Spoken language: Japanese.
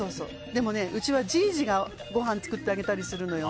でもね、うちはじいじがごはんを作ってあげたりするのよ。